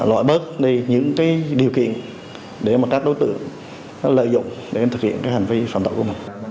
khỏi bớt những điều kiện để các đối tượng lợi dụng để thực hiện hành vi phản tạo của mình